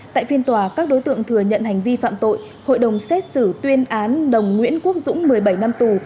tại phiên tòa các đối tượng thừa nhận hành vi phạm tội hội đồng xét xử tuyên án đồng nguyễn quốc dũng một mươi bảy năm tù